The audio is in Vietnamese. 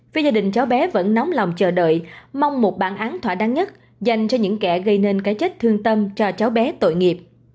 vì gia đình cháu bé vẫn nóng lòng chờ đợi mong một bản án thỏa đáng nhất dành cho những kẻ gây nên cái chết thương tâm cho cháu bé tội nghiệp